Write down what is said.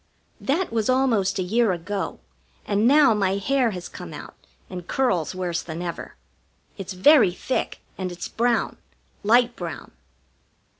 That was almost a year ago, and now my hair has come out and curls worse than ever. It's very thick, and it's brown light brown.